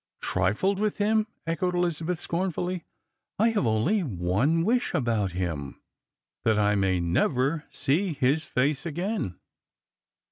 "Trifled with him!" echoed Elizabeth scornfuUjr ; "I have only one wish about him, — that I may never see his fact again."